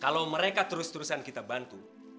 kalau mereka terus terusan kita bantu